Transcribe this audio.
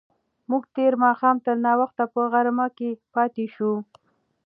موږ تېر ماښام تر ناوخته په غره کې پاتې شوو.